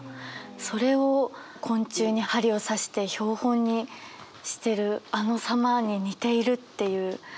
それを昆虫に針を刺して標本にしてるあの様に似ているっていう。